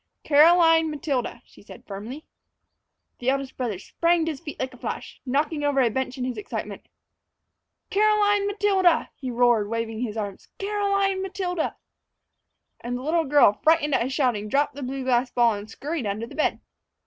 "Caroline Matilda," she said firmly. The eldest brother sprang to his feet like a flash, knocking over a bench in his excitement. "Caroline Matilda!" he roared, waving his arms "Caroline Matilda!" And the little girl, frightened at his shouting, dropped the blue glass ball, and scurried under the bed.